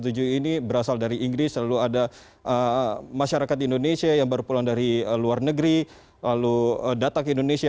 akhirnya ada varian dari b satu ratus tujuh belas ini berasal dari inggris lalu ada masyarakat indonesia yang baru pulang dari luar negeri lalu datang ke indonesia